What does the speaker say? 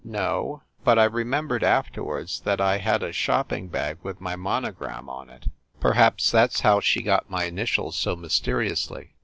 "No. But I remembered afterward that I had a shopping bag with my monogram on it perhaps that s how she got my initials so mysteriously."